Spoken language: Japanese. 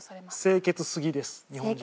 清潔すぎです日本人は。